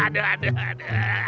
aduh aduh aduh